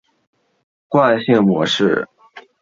惯性模式。